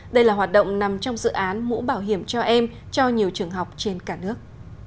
đây là hoạt động nằm trong dự án mũ bảo hiểm cho em cho nhiều trường học trên cả nước